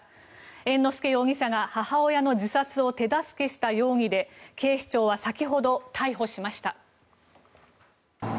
猿之助容疑者が母親の自殺を手助けした容疑で警視庁は先ほど逮捕しました。